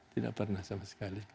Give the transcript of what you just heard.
tidak pernah sama sekali